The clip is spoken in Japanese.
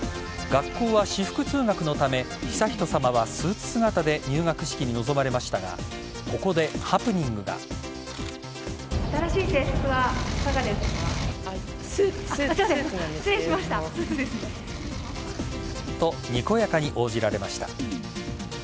学校は私服通学のため悠仁さまはスーツ姿で入学式に臨まれましたがここでハプニングが。と、にこやかに応じられました。